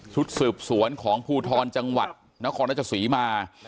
ชุดสืบสวนของภูทรจังหวัดนครราชศรีมา